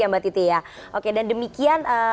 ya mbak titi ya oke dan demikian